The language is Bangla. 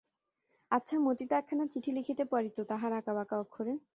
আচ্ছা, মতি তো একখানা চিঠি লিখিতে পারিত তাহার আঁকাবাঁকা অক্ষরে?